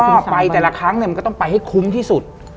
แล้วก็ไปแต่ละครั้งมันก็ต้องไปให้คุ้มที่สุด